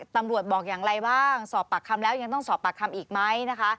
ตำรวจบอกอย่างไรบ้างสอบปากคำแล้วยังต้องสอบปากคำอีกไหมนะคะ